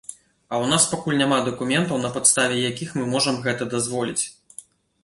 А ў нас пакуль няма дакументаў, на падставе якіх мы можам гэта дазволіць.